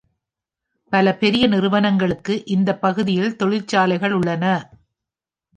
பல பெரிய நிறுவனங்களுக்கு இந்த பகுதியில் தொழிற்சாலைகள் உள்ளன.